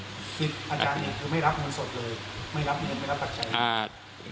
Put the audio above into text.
คืออาจารย์เนี่ยคือไม่รับเงินสดเลยไม่รับเงินไม่รับปัจจัยอ่า